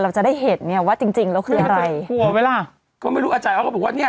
เราจะได้เห็นเนี้ยว่าจริงจริงเราคืออะไรก็ไม่รู้อาจารย์เขาก็บอกว่าเนี้ย